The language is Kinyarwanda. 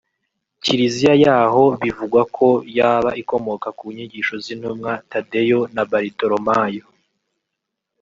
Kiliziya yaho bivugwa ko yaba ikomoka ku nyigisho z’intumwa Thadeyo na Baritolomayo